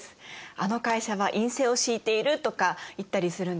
「あの会社は院政を敷いている」とか言ったりするんですよね。